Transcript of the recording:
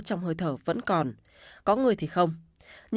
trong hơi thở vẫn còn